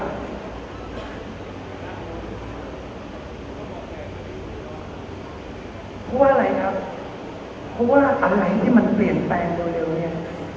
เพราะว่าอะไรครับเพราะว่าอะไรที่มันเปลี่ยนแปลงโดยเร็วเนี่ย